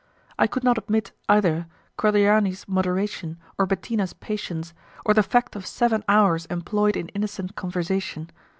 I could not admit either Cordiani's moderation or Bettina's patience, or the fact of seven hours employed in innocent conversation.